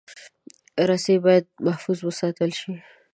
رسۍ باید محفوظ وساتل شي.